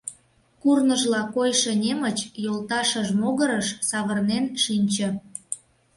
Курныжла койшо немыч йолташыж могырыш савырнен шинче.